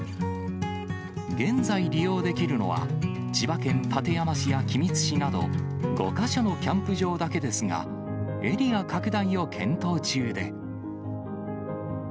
現在、利用できるのは、千葉県館山市や君津市など、５か所のキャンプ場だけですが、エリア拡大を検討中で。